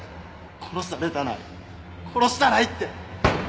殺されたない殺したないって！